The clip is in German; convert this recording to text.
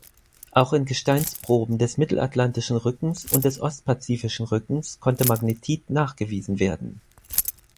Auch in Gesteinsproben des Mittelatlantischen Rückens und des ostpazifischen Rückens konnte Magnetit nachgewiesen werden.